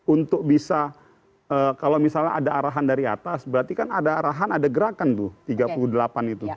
untuk bisa kalau misalnya ada arahan dari atas berarti kan ada arahan ada gerakan tuh tiga puluh delapan itu